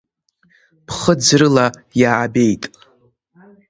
Ԥхыӡрыла иаабеит?